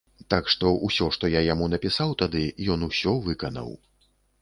Так што, усё, што я яму напісаў тады, ён усё выканаў.